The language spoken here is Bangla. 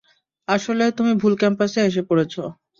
আসলে, তুমি ভুল ক্যাম্পাসেই এসে পড়েছো।